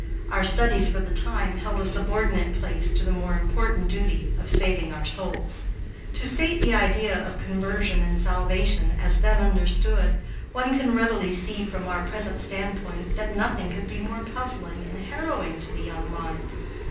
Our studies, for the time, held a subordinate place to the more important duty of saving our souls. To state the idea of conversion and salvation as then understood, one can readily see from our present standpoint that nothing could be more puzzling and harrowing to the young mind.